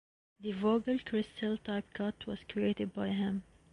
The Vogel Crystal type cut was created by him.